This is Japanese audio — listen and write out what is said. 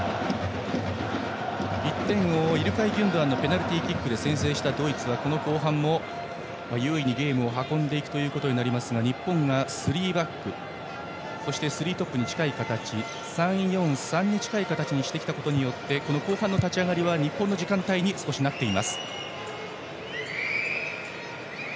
１点をイルカイ・ギュンドアンのペナルティーキックで先制したドイツは後半も優位にゲームを運んでいきますが日本がスリーバックそしてスリートップに近い形３−４−３に近い形にしてきたことによって後半の立ち上がりは日本の時間帯に少しなっています。